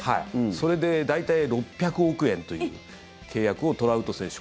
それで大体６００億円という契約をトラウト選手。